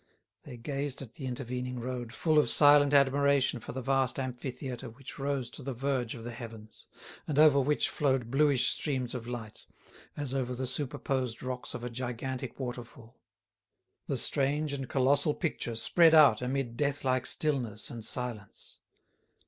They gazed at the intervening road, full of silent admiration for the vast amphitheatre which rose to the verge of the heavens, and over which flowed bluish streams of light, as over the superposed rocks of a gigantic waterfall. The strange and colossal picture spread out amid deathlike stillness and silence.